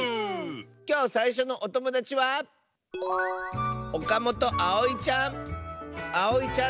きょうさいしょのおともだちはあおいちゃんの。